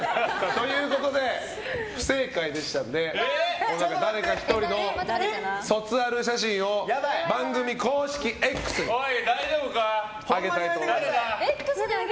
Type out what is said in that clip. ということで不正解でしたのでこの中の誰か１人の卒アル写真を番組公式Ｘに上げたいと思います。